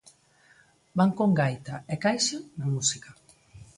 Van con gaita e caixa na música.